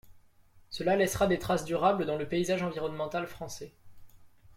Cela laissera des traces durables dans le paysage environnemental français.